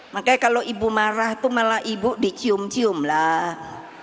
makanya kalau ibu marah tuh malah ibu dicium cium lah